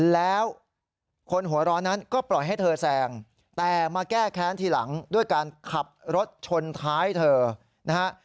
แล้วคนหัวร้อนนั้นก็ปล่อยให้เธอแซงแต่มาแก้แค้นทีหลังด้วยการขับรถชนท้ายเธอนะฮะ